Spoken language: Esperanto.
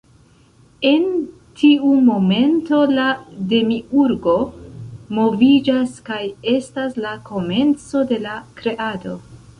En tiu momento la Demiurgo moviĝas kaj estas la komenco de la Kreado.